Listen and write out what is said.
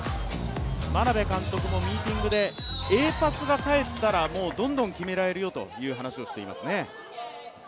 眞鍋監督もミーティングで、Ａパスが返ってきたらもうどんどん決められるよという話をしていますね。